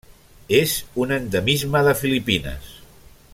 És un endemisme de Filipines.